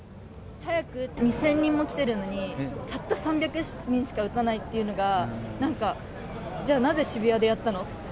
２０００人も来てるのに、たった３００人しか打たないっていうのが、なんか、じゃあ、なぜ渋谷でやったの？